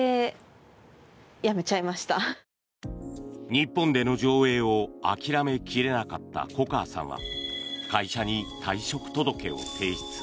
日本での上映を諦め切れなかった粉川さんは会社に退職届を提出。